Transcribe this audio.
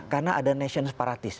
karena ada nation separatist